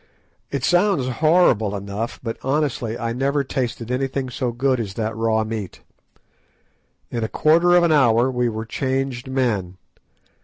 It sounds horrible enough, but honestly, I never tasted anything so good as that raw meat. In a quarter of an hour we were changed men.